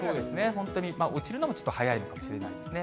本当に落ちるのもちょっと早いのかもしれないですね。